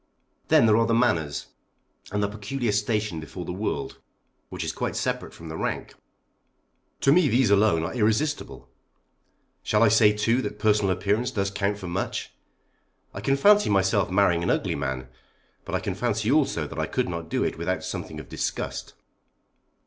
Then there are the manners, and the peculiar station before the world, which is quite separate from the rank. To me these alone are irresistible. Shall I say too that personal appearance does count for much. I can fancy myself marrying an ugly man, but I can fancy also that I could not do it without something of disgust.